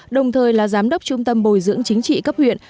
đồng thời là giám đốc trung tâm bồi dưỡng chính trị cấp huyện